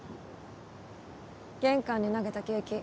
玄関に投げたケーキ